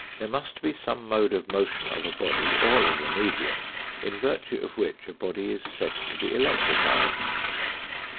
There must be some mode of motion of a body or of the medium in virtue of which a body is said to be electrified.